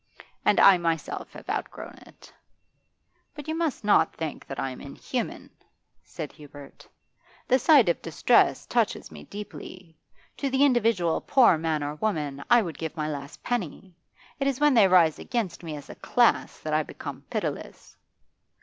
And I myself have outgrown it.' 'But you must not think that I am inhuman,' said Hubert. 'The sight of distress touches me deeply. To the individual poor man or woman I would give my last penny. It is when they rise against me as a class that I become pitiless.